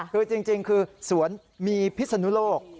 คือจริงคือสวนมีพิศนุโลก